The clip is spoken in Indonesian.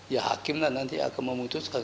ya hakim lah nanti akan memutuskan